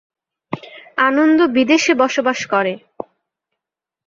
আনন্দ বিদেশে বসবাস করে।